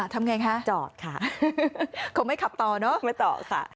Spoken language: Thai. ทำไงคะจอดค่ะคงไม่ขับต่อเนอะไม่ต่อค่ะ